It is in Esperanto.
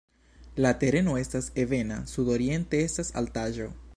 La tereno estas ebena, sudoriente estas altaĵo.